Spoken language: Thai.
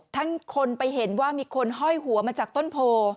ทั้งคนไปเห็นว่ามีคนห้อยหัวมาจากต้นโพ